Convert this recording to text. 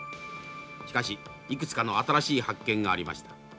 しかしいくつかの新しい発見がありました。